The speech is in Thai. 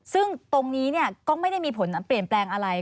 ซึ่งตรงนี้ก็ไม่ได้มีผลเปลี่ยนแปลงอะไร